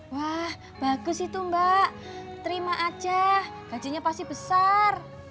wah bagus itu mbak terima aja gajinya pasti besar